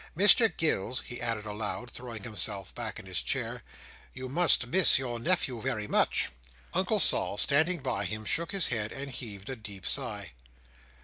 "Mr Gills," he added aloud, throwing himself back in his chair, "you must miss your nephew very much?" Uncle Sol, standing by him, shook his head and heaved a deep sigh.